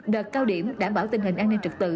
đợt cao điểm đảm bảo tình hình an ninh trật tự